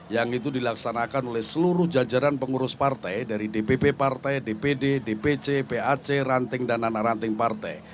yang itu dilaksanakan oleh seluruh jajaran pengurus partai dari dpp partai dpd dpc pac ranting dan anak ranting partai